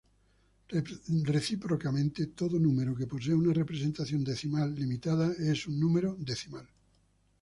Recíprocamente: todo número que posee una representación decimal limitada, es un número decimal.